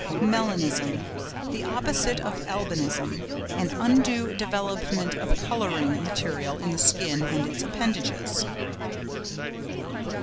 MELANISM.—The opposite of albinism; an undue development of colouring material in the skin and its appendages.